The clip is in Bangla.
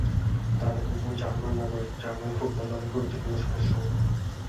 তাঁরা দুজন জার্মান নাগরিক, জার্মান ফুটবল দলের গুরুত্বপূর্ণ সদস্যও।